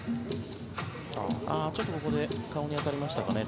ちょっとここで顔に当たりましたかね。